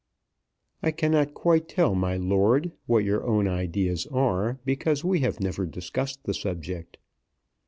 "I cannot quite tell, my lord, what your own ideas are, because we have never discussed the subject."